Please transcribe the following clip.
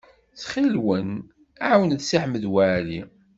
Ttxil-wen, ɛawnet Si Ḥmed Waɛli.